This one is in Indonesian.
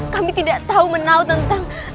kami tidak tahu menau tentang